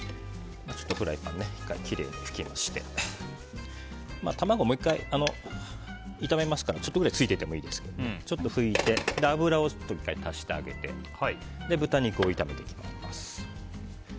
フライパン１回きれいに拭きまして卵、もう１回炒めますからちょっとぐらいついていてもいいですが、ちょっと拭いて油を１回足してあげて豚肉を炒めていきます。